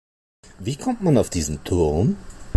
Wie kommt man auf diesen Turm?